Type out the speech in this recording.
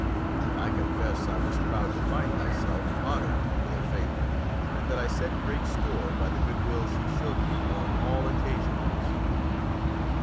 I confess I was proud to find myself honoured with her favour, and that I set great store by the good will she showed me on all occasions.